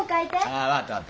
ああ分かった分かった。